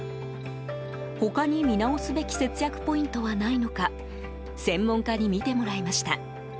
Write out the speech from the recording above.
他に見直すべき節約ポイントはないのか専門家に見てもらいました。